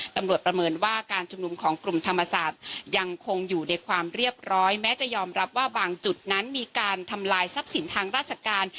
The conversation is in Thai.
ประเมินว่าการชุมนุมของกลุ่มธรรมศาสตร์ยังคงอยู่ในความเรียบร้อยแม้จะยอมรับว่าบางจุดนั้นมีการทำลายทรัพย์สินทางราชการ